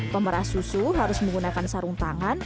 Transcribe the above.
pemerah susu harus menggunakan sarung tangan